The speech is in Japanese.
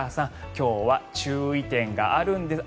今日は注意点があるんです。